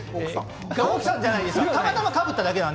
奥さんじゃないですよ。